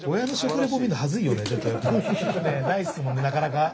ないですもんなかなか。